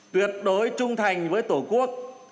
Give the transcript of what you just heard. tuyệt đối trung thành với tổ quốc